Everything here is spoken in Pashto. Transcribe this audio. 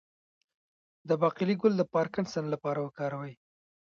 د باقلي ګل د پارکنسن لپاره وکاروئ